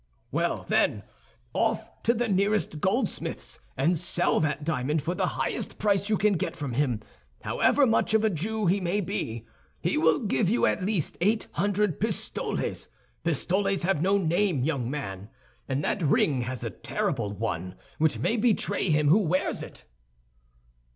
"Well, then, off to the nearest goldsmith's, and sell that diamond for the highest price you can get from him. However much of a Jew he may be, he will give you at least eight hundred pistoles. Pistoles have no name, young man, and that ring has a terrible one, which may betray him who wears it."